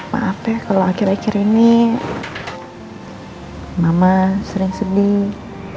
maaf ya kalau akhir akhir ini mama sering sedih